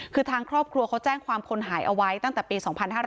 คือทางครอบครัวเขาแจ้งความคนหายเอาไว้ตั้งแต่ปี๒๕๕๙